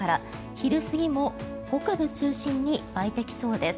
昼過ぎも北部中心に沸いてきそうです。